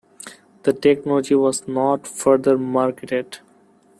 The technology was not further marketed.